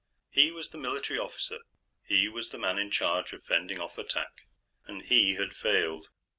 He was the Military Officer; he was the Man In Charge of Fending Off Attack. And he had failed.